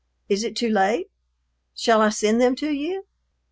Is it too late? Shall I send them to you?